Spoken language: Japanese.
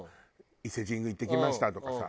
伊勢神宮行ってきましたとかさ。